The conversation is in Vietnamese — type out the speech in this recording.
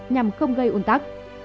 nhằm không gây ủn tắc